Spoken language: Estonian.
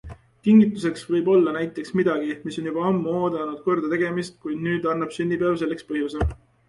Kingituseks võib olla näiteks midagi, mis on juba ammu oodanud korda tegemist, kuid nüüd annab sünnipäev selleks põhjuse.